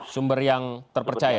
sumber yang terpercaya